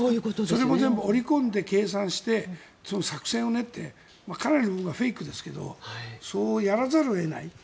それも全部織り込んで計算して作戦を練ってかなりの部分はフェイクですがそうやらざるを得ない。